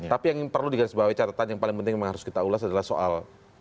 tapi yang perlu digarisbawahi catatan yang paling penting memang harus kita ulas adalah soal